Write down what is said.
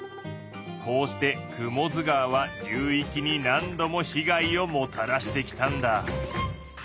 こうして雲出川は流域に何度も被害をもたらしてきたんだ。